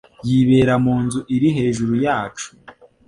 Yibera munzu iri hejuru yacu.